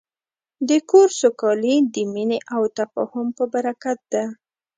د کور سوکالي د مینې او تفاهم په برکت ده.